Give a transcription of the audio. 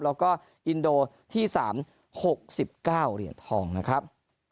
แล้วก็อินโดที่๓๖๙เหรียญทองนะครับ